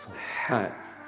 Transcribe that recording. はい。